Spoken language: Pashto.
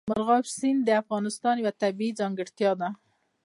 مورغاب سیند د افغانستان یوه طبیعي ځانګړتیا ده.